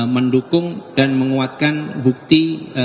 mendukung dan menguatkan bukti